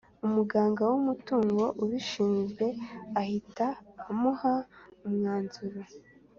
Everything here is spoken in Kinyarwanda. Umuganga w’amatungo ubishinzwe ahita amuha umwanzuro